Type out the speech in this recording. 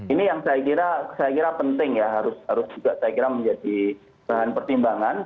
ini yang saya kira penting ya harus juga saya kira menjadi bahan pertimbangan